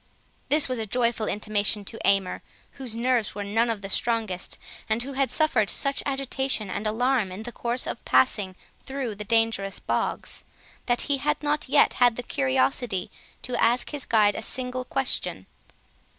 This was a joyful intimation to Aymer, whose nerves were none of the strongest, and who had suffered such agitation and alarm in the course of passing through the dangerous bogs, that he had not yet had the curiosity to ask his guide a single question.